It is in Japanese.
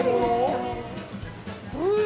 うん！